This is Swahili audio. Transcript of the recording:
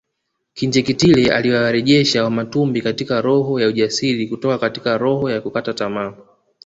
Kinjekitile aliyewarejesha Wamatumbi katika roho ya ujasiri kutoka katika roho ya kukata tamaa